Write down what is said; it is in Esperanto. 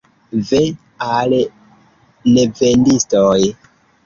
Ve al nevendistoj!